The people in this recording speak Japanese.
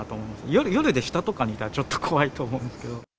夜で下とか見たら、ちょっと怖いと思うんですけど。